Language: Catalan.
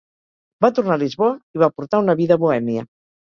Va tornar a Lisboa i va portar una vida bohèmia.